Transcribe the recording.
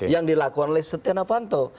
yang dilakukan oleh sian afan tauh